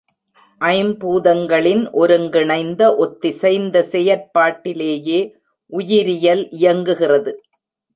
ஐம்பூதங்களின் ஒருங்கிணைந்த ஒத்திசைந்த செயற்பாட்டிலேயே உயிரியல் இயங்குகிறது.